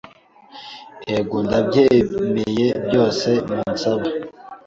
Ego, ndabyemeye byose munsaba